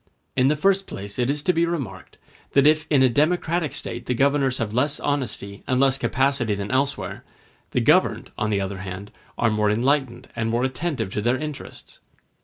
In the first place it is to be remarked, that if in a democratic State the governors have less honesty and less capacity than elsewhere, the governed, on the other hand, are more enlightened and more attentive to their interests.